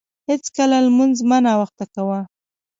هیڅکله لمونځ مه ناوخته کاوه.